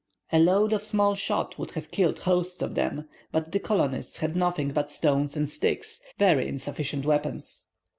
A load of small shot would have killed hosts of them; but the colonists had nothing but stones and sticks, very insufficient weapons.